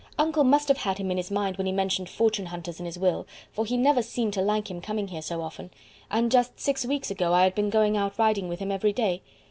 "Uncle must have had him in his mind when he mentioned fortune hunters in his will, for he never seemed to like him coming here so often; and just six weeks ago I had been going out riding with him every day.